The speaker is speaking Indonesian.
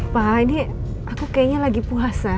pak ini aku kayaknya lagi puasa